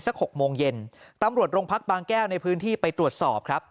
หกโมงเย็นตำรวจโรงพักบางแก้วในพื้นที่ไปตรวจสอบครับ